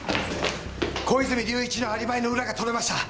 小泉隆一のアリバイの裏がとれました！